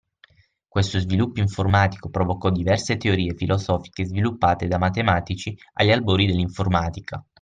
Questo sviluppo informatico provocò diverse teorie filosofiche sviluppate da matematici agli albori dell'informatica.